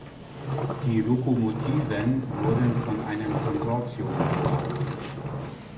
Die Lokomotiven wurden von einem Konsortium gebaut.